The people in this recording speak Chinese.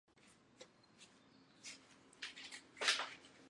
陈晓林说明此举乃经古龙生前授意。